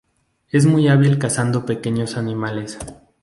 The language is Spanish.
Es muy hábil cazando pequeños animales.